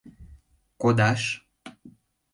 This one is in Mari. — Кодаш?